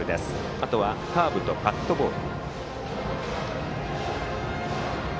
あとはカーブとカットボール。